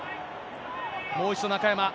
もう一度、中山。